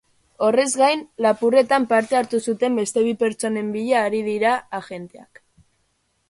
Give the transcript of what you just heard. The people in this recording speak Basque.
Horrez gain lapurretan parte hartu zuten beste bi pertsonen bila ari dira agenteak.